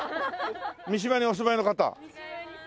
三島にお住まいの方？違います。